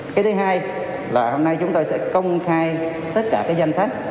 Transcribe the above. cái thứ hai là hôm nay chúng tôi sẽ công khai tất cả cái danh sách